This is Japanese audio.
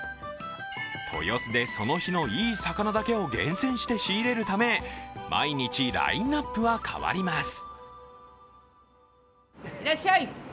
豊洲で、その日のいい魚だけを厳選して仕入れるため毎日ラインナップは変わります。